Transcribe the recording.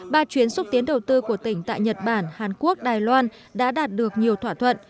ba chuyến xúc tiến đầu tư của tỉnh tại nhật bản hàn quốc đài loan đã đạt được nhiều thỏa thuận